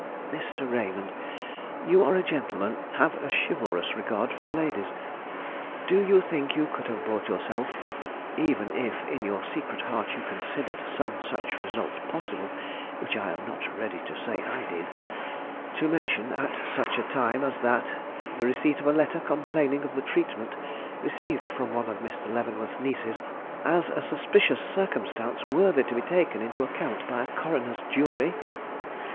"Mr. Raymond, you are a gentleman; have a chivalrous regard for the ladies; do you think you could have brought yourself (even if in your secret heart you considered some such result possible, which I am not ready to say I did) to mention, at such a time as that, the receipt of a letter complaining of the treatment received from one of Mr. Leavenworth's nieces, as a suspicious circumstance worthy to be taken into account by a coroner's jury?"